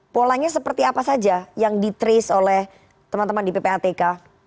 polanya seperti apa saja yang di trace oleh teman teman di ppatk